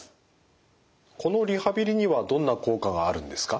このリハビリにはどんな効果があるんですか？